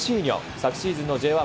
昨シーズンのＪ１